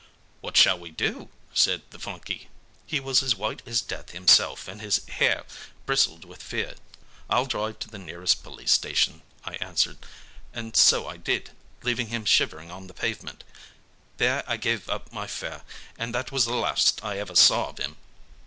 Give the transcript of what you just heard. "'What shall we do?' said the flunkey. He was as white as death himself, and his hair bristled with fear. "'I'll drive to the nearest police station,' I answered; and so I did, leaving him shivering on the pavement. There I gave up my fare, and that was the last I ever saw of him."